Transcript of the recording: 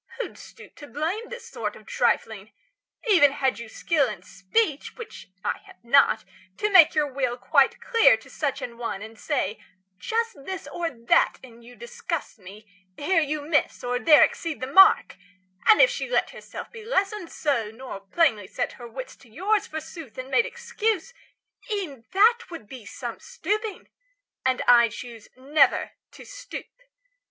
Who'd stoop to blame This sort of trifling? Even had you skill In speech (which I have not) to make your will Quite clear to such an one, and say, "Just this Or that in you disgusts me; here you miss, Or there exceed the mark" and if she let Herself be lessoned so, nor plainly set 40 Her wits to yours, forsooth, and made excuse, E'en then would be some stooping: and I choose Never to stoop.